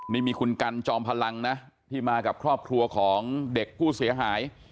นี่มีคุณกันจอมพลังนะที่มากับครอบครัวของเด็กผู้เสียหาย